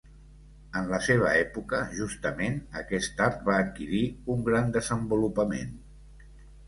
En la seva època justament aquest art va adquirir un gran desenvolupament.